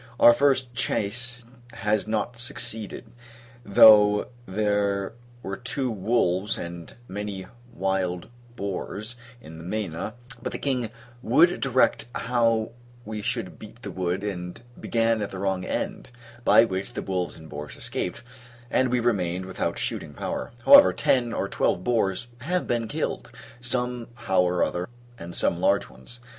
Our first chasse has not succeeded; though there were two wolves, and many wild boars, in the Mena: but the king would direct how we should beat the wood, and began at the wrong end; by which the wolves and boars escaped, and we remained without shooting power. However, ten or twelve boars have been killed, some how or other, and some large ones.